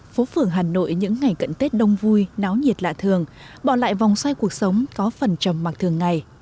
phố phường hà nội những ngày cận tết đông vui náo nhiệt lạ thường bỏ lại vòng xoay cuộc sống có phần trầm mặc thường ngày